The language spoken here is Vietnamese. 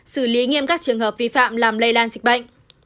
xử lý nghiêm các trường hợp vi phạm làm lây lan dịch bệnh